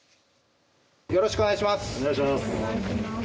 よろしくお願いします。